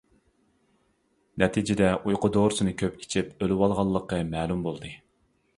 نەتىجىدە ئۇيقۇ دورىسىنى كۆپ ئىچىپ ئۆلۈۋالغانلىقى مەلۇم بولدى.